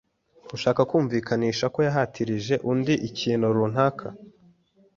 ushaka kumvikanisha ko yahatirije undi ikintu runaka